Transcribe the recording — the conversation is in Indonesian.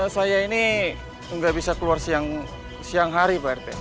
saya ini nggak bisa keluar siang hari pak rt